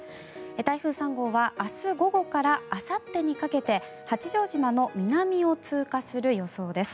台風３号は明日午後からあさってにかけて八丈島の南を通過する予想です。